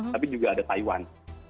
tapi juga ada taiwan